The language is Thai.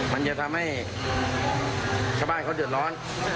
มันจะทำให้ชาวบ้านเขาเดือดร้อน